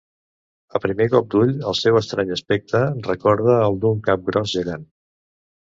A primer cop d'ull el seu estrany aspecte recorda el d'un cap gros gegant.